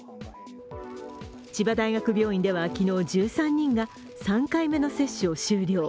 千葉大学病院では昨日１３人が３回目の接種を終了。